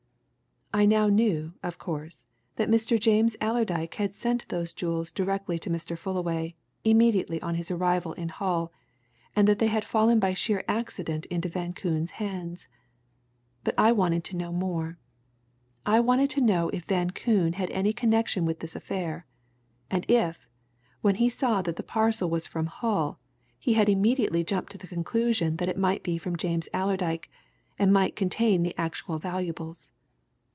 "I now knew, of course, that Mr. James Allerdyke had sent those jewels direct to Mr. Fullaway, immediately on his arrival in Hull, and that they had fallen by sheer accident into Van Koon's hands. But I wanted to know more. I wanted to know if Van Koon had any connection with this affair, and if, when he saw that the parcel was from Hull, he had immediately jumped to the conclusion that it might be from James Allerdyke, and might contain the actual valuables.